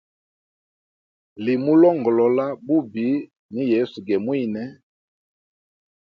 Limuongolola bubi ni yesu ge mwine.